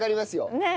ねえ。